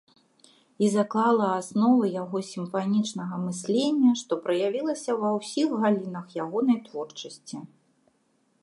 І заклала асновы яго сімфанічнага мыслення, што праявілася ва ўсіх галінах ягонай творчасці.